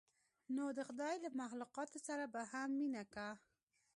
نو د خداى له مخلوقاتو سره به هم مينه کا.